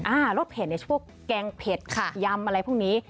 อ่ารสเผ็ดในช่วงแกงเผ็ดยำอะไรพวกนี้